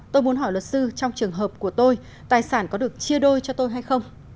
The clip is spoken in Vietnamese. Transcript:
tôi muốn hỏi luật sư trong trường hợp của tôi tài sản có được chia đôi cho tôi hay không